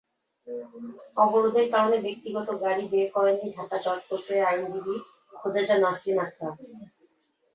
অবরোধের কারণে ব্যক্তিগত গাড়ি বের করেননি ঢাকা জজকোর্টের আইনজীবী খোদেজা নাসরিন আক্তার।